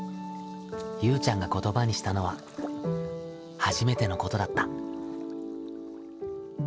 ゆうちゃんが言葉にしたのは初めてのことだった。